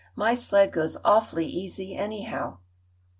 My sled goes awfully easy, anyhow."